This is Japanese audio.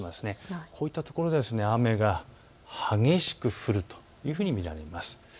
こういったところで雨が激しく降るというふうに見られます。